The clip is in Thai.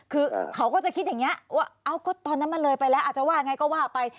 คือเขาก็จะคิดอย่างนี้ว่าเอ้าก็ตอนนั้นมันเลยไปแล้วอาจจะว่าไงก็ว่าไป